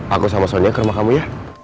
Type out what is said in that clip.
aku sama sonia ke rumah kamu ya